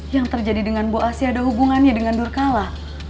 yang terjadi dengan bu asih ada hubungannya dengan durkala